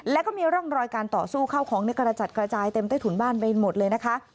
แล้วก็มีร่องรอยการต่อสู้เข้าของในกระจัดกระจายเต็มใต้ถุนบ้านไปหมดเลยนะคะ